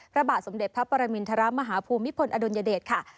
พระบาทสมเด็จพระปรมินทรมาฮภูมิพลอดุลยเดชค่ะ